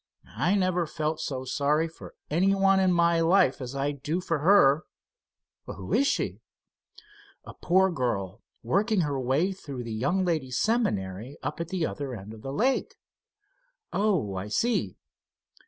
"I never felt so sorry for anyone in my life as I do for her." "Who is she?" "A poor girl working her way through the young ladies' seminary up at the other end of the lake." "Oh, I see."